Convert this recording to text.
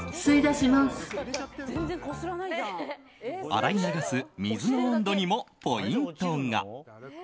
洗い流す水の温度にもポイントが。